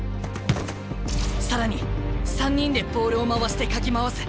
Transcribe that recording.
更に３人でボールを回してかき回す。